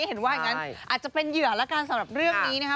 เห็นว่าอาจจะเป็นเหยื่อกันสำหรับเรื่องนี้นะคะ